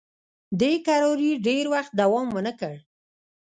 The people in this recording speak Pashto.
دې کراري ډېر وخت دوام ونه کړ.